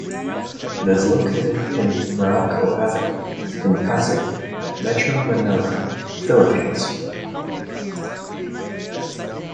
It is located in Meralco Avenue in Pasig, Metro Manila, Philippines.